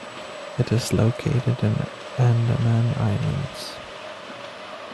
It is located in the Andaman Islands.